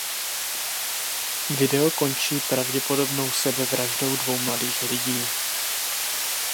Video končí pravděpodobnou sebevraždou dvou mladých lidí.